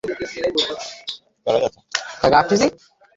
ব্র্যাক মোড়ে একটি চায়ের দোকানে আগুনাতাইর গ্রামের ফরহাদ হোসেনের সঙ্গে কথা হয়।